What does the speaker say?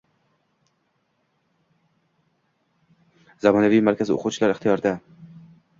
Zamonaviy markaz o‘quvchilar ixtiyorida